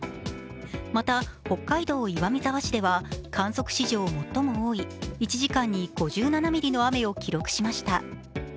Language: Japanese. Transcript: また北海道岩見沢市では観測史上最も多い、１時間に５７ミリの雨を記録しました。